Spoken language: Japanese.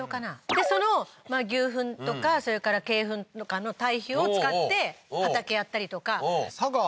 でその牛ふんとかそれから鶏ふんとかの堆肥を使って畑やったりとか佐賀